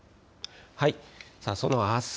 そのあす